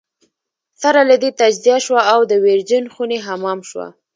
سره له دې تجزیه شوه او د ویرجن خوني حمام شوه.